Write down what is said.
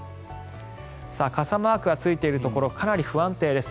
傘マークがついているところかなり不安定です。